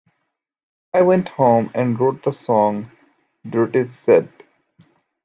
I went home and wrote the song, Duritz said.